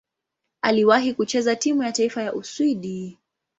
Aliwahi kucheza timu ya taifa ya Uswidi.